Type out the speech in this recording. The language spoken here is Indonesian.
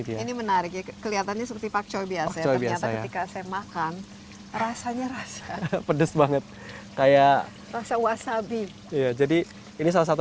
pakai pak choi biasa biasa saya makan rasanya pedas banget kayak rasa wasabi jadi ini salah satu